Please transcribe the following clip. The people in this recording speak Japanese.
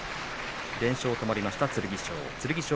連勝止まりました、剣翔。